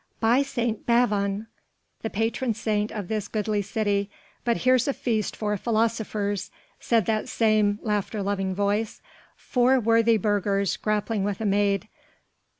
"By St. Bavon, the patron saint of this goodly city, but here's a feast for philosophers," said that same laughter loving voice, "four worthy burghers grappling with a maid.